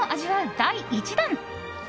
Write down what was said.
第１弾。